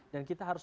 dan kita harus